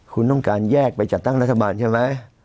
คุณต้องการแยกไปจัดตั้งรัฐบาลใช่ไหม